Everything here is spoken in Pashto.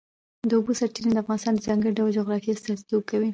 د اوبو سرچینې د افغانستان د ځانګړي ډول جغرافیه استازیتوب کوي.